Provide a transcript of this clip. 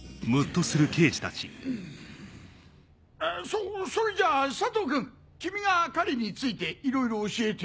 そそれじゃあ佐藤君君が彼に付いていろいろ教えて。